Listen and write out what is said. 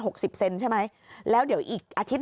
สิบเซนใช่ไหมแล้วเดี๋ยวอีกอาทิตย